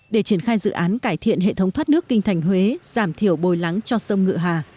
để triển khai dự án cải thiện hệ thống thoát nước kinh thành huế giảm thiểu bồi lắng cho sông ngựa hà